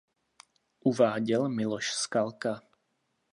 Uváděl Miloš Skalka.